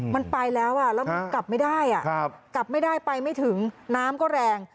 มันไปแล้วแล้วมันกลับไม่ได้กลับไม่ได้ไปไม่ถึงน้ำก็แรง